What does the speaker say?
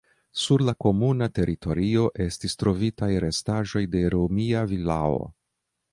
Sur la komunuma teritorio estis trovitaj restaĵoj de romia vilao.